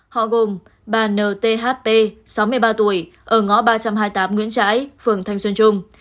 họ gồm bà nthp sáu mươi ba tuổi ở ngõ ba trăm hai mươi tám nguyễn trãi phường thanh xuân trung